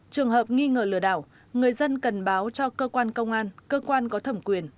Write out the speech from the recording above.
trường hợp nghi ngờ lừa đảo người dân cần báo cho cơ quan công an cơ quan có thẩm quyền